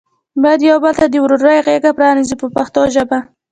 باید یو بل ته د ورورۍ غېږه پرانیزو په پښتو ژبه.